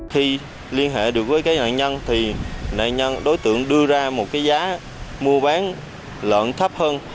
khi liên hệ được với cái nạn nhân thì nạn nhân đối tượng đưa ra một cái giá mua bán lợn thấp hơn